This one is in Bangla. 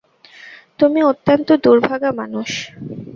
তুমি অত্যন্ত দুর্ভাগা মানুষ।